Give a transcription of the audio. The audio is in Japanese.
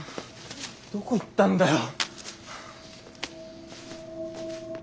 どこ行ったんだよ。